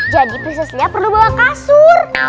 jadi prinses lia perlu bawa kasur